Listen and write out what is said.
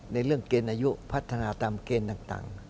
ในเรื่องเกณฑ์อายุพัฒนาตามเกณฑ์ต่าง